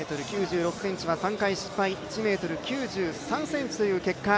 １ｍ９６ｃｍは３回失敗１ｍ９３ｃｍという結果。